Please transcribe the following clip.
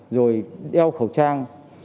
rồi đeo khẩu trang